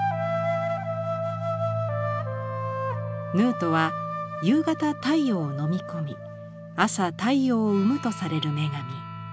ヌウトは夕方太陽を飲み込み朝太陽を生むとされる女神。